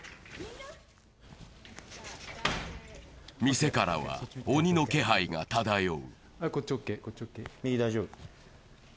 店からは鬼の気配が漂う。